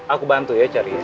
aku bantu ya cari ya